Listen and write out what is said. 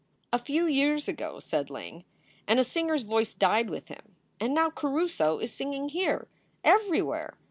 "A few years ago," said Ling, "and a singer s voice died with him. And now Caruso is singing here everywhere.